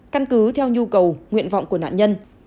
căn cứ theo nhu cầu nguyện vọng của nạn nhân